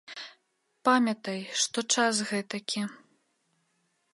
Памятай, што час гэтакі.